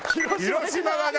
広島は何？